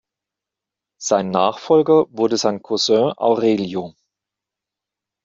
Sein Nachfolger wurde sein Cousin Aurelio.